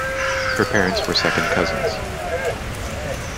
Her parents were second cousins.